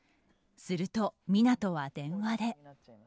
すると湊斗は電話で。